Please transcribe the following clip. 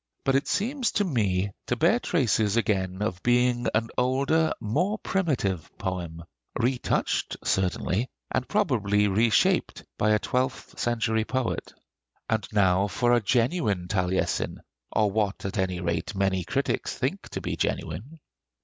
But it seems to me to bear traces again of being an older, more primitive poem, retouched certainly, and probably reshaped, by a twelfth century poet. And now for a genuine Taliesin, or what at any rate many critics think to be genuine.